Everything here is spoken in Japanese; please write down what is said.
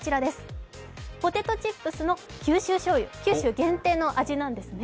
ポテトチップスの九州しょうゆ九州限定の味なんですね。